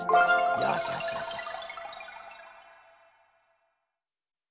よしよしよしよし。